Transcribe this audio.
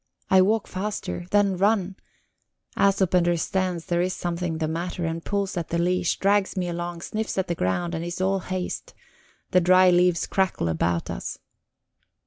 I walk faster, then run; Æsop understands there is something the matter, and pulls at the leash, drags me along, sniffs at the ground, and is all haste. The dry leaves crackle about us.